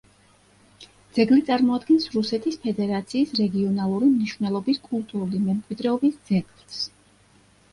ძეგლი წარმოადგენს რუსეთის ფედერაციის რეგიონალური მნიშვნელობის კულტურული მემკვიდრეობის ძეგლს.